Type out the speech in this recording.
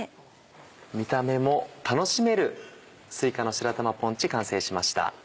見た目も楽しめるすいかの白玉ポンチ完成しました。